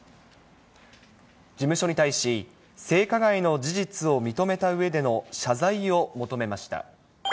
事務所に対し、性加害の事実を認めたうえでの謝罪を求めました。